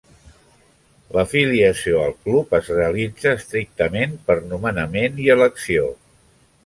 L'afiliació al club es realitza estrictament per nomenament i elecció.